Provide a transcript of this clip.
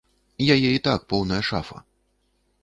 Яе і так поўная шафа.